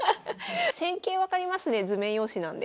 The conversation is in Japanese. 戦型分かりますね図面用紙なんで。